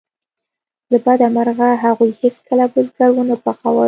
له بده مرغه هغوی هیڅکله برګر ونه پخول